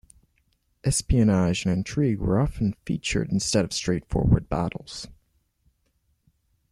Espionage and intrigue were often featured instead of straightforward battles.